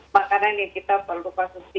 makanan yang kita perlu konsumsi